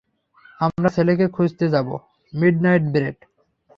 আমরা ছেলেকে খুঁজতে যাবো, মিডনাইট ব্রেড।